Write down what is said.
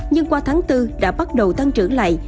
nhưng qua tháng bốn đã bắt đầu tăng trưởng lại